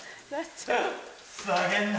ふざけんな！